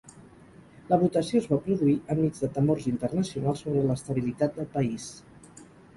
La votació es va produir enmig de temors internacionals sobre l'estabilitat del país.